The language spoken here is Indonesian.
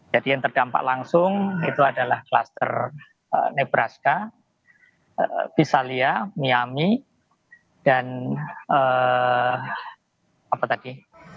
jadi yang terdampak langsung itu adalah klaster nebraska visalia miami dan apa tadi